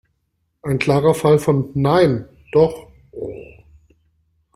Ein klarer Fall von: "Nein! Doch! Oh!"